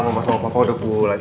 mama sama papa udah bulan